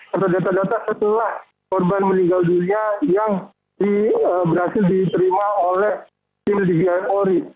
atau data data setelah korban meninggal dunia yang berhasil diterima oleh tim dgn ori